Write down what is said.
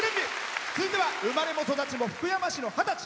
続いては生まれも育ちも福山市の二十歳。